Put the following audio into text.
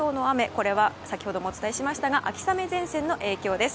これは先ほどもお伝えしましたが秋雨前線の影響です。